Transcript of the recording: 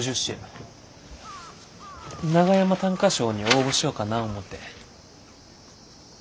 長山短歌賞に応募しよかな思て。